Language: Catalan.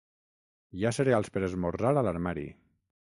Hi ha cereals per esmorzar a l'armari.